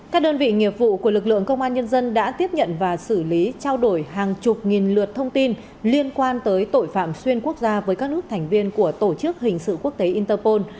các đơn vị nghiệp vụ của lực lượng công an nhân dân đã tiếp nhận và xử lý trao đổi hàng chục nghìn lượt thông tin liên quan tới tội phạm xuyên quốc gia với các nước thành viên của tổ chức hình sự quốc tế interpol